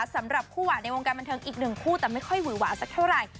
สำหรับคู่หวานในวงการบันเทิงอีกหนึ่งคู่แต่ไม่ค่อยหวยหวานสักเท่าไหร่